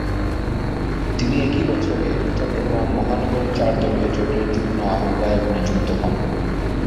তিনি একই বছরে চট্টগ্রাম মহানগর চার দলীয় জোটের যুগ্ম আহবায়ক নিযুক্ত হন।